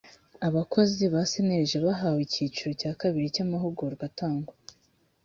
abakozi ba cnlg bahawe icyiciro cya kabiri cy amahugurwa atangwa